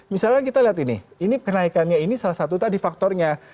misalnya kita lihat ini ini kenaikannya ini salah satu tadi faktornya